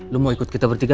lo mau ikut kita bertiga gak